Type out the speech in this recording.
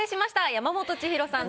山本千尋さん